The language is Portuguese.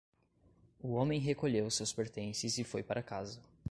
O homem recolheu seus pertences e foi para casa.